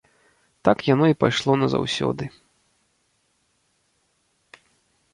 Так яно і пайшло назаўсёды.